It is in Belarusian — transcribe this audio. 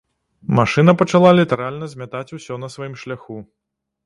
Машына пачала літаральна змятаць усё на сваім шляху.